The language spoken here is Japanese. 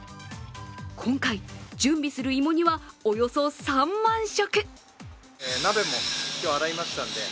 今回、準備する芋煮はおよそ３万食。